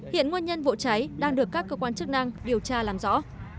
hiện nguyên nhân vụ cháy đang được các cơ quan chức năng điều tra làm rõ